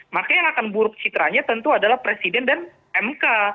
maka yang akan buruk citranya tentu adalah presiden dan mk